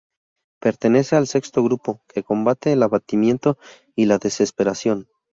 Pertenece al sexto grupo, que combate el abatimiento y la desesperación.